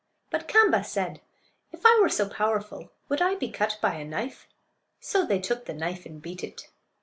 But Kaamba said, "If I were so powerful would I be cut by a knife?" So they took the knife and beat it.